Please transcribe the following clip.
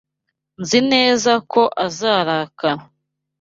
Nzi neza ko azarakara.